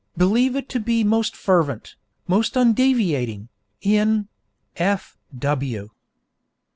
Believe it to be most fervent, most undeviating, in 'F. W.'